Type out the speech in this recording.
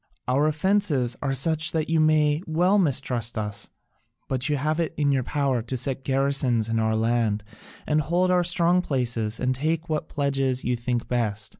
"Our offences are such that you may well mistrust us: but you have it in your power to set garrisons in our land and hold our strong places and take what pledges you think best.